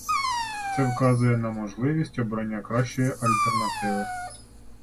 Це вказує на можливість обрання кращої альтернативи.